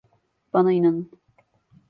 Bana inanın.